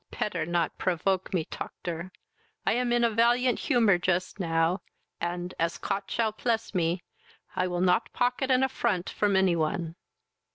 "Petter not provoke me, toctor. I am in a valiant humour just now, and, as Cot shall pless me, I will not pocket an affront from any one."